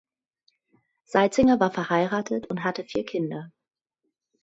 Seizinger war verheiratet und hatte vier Kinder.